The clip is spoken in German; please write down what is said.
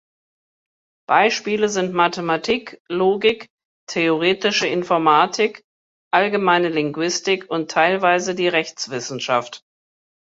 Beispiele sind Mathematik, Logik, theoretische Informatik, allgemeine Linguistik und teilweise die Rechtswissenschaft.